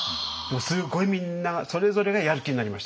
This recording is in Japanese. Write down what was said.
すごいみんなそれぞれがやる気になりました。